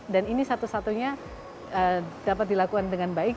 dan ini satu satunya dapat dilakukan dengan baik